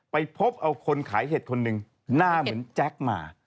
ไปพบเอาคนขายเห็ดคนหนึ่งหน้าเหมือนแจ๊คมา